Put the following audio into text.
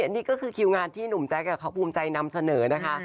นี่ก็คือคิวงานที่หนุ่มแจ๊คกับเขาภูมิใจนำเสนอนะคะ